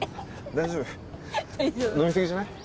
大丈夫飲みすぎじゃない？